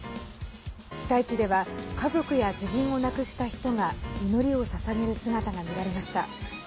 被災地では家族や知人を亡くした人が祈りをささげる姿が見られました。